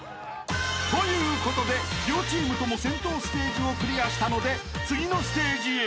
［ということで両チームとも銭湯ステージをクリアしたので次のステージへ］